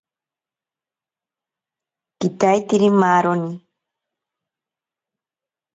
Kitaiteri maaroni.